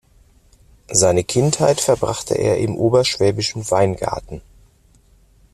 Seine Kindheit verbrachte er im oberschwäbischen Weingarten.